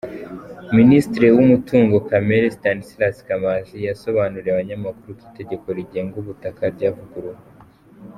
Minisitiri w’umutungo kamere Sitanislas Kamanzi yasobanuriye abanyamakuru ko itegeko rigenga ubutaka ryavuguruwe.